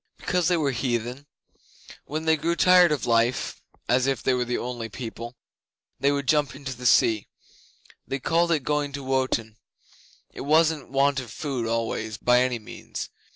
'Because they were heathen. When they grew tired of life (as if they were the only people!) they would jump into the sea. They called it going to Wotan. It wasn't want of food always by any means.